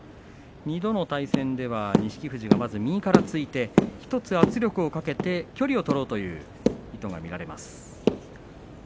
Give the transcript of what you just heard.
２度の対戦では錦富士がまず右からついて１つ圧力をかけて、距離を取ろうという動きが見られます。